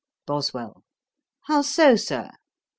BOSWELL. 'How so, Sir?'